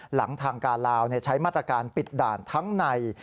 หลังทางการลาวใช้มาตรการปิดด่านทั้งใน